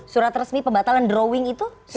surat resmi pembatalan drawing itu sudah ada dari fifa